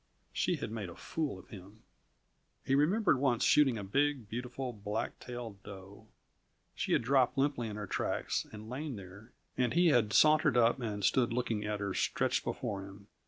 She had made a fool of him. He remembered once shooting a big, beautiful, blacktail doe. She had dropped limply in her tracks and lain there, and he had sauntered up and stood looking at her stretched before him.